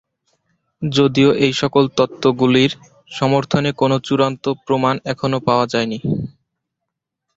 যদিও এইসকল তত্ত্বগুলির সমর্থনে কোন চূড়ান্ত প্রমাণ এখনও পাওয়া যায়নি।